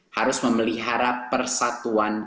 harus memelihara persatuan